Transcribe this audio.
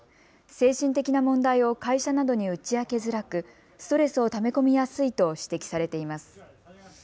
精神的な問題を会社などに打ち明けづらくストレスをため込みやすいと指摘されています。